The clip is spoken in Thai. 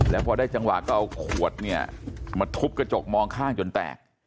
แล้วพอได้จังหวะก็เอาขวดเนี่ยมาทุบกระจกมองข้างจนแตก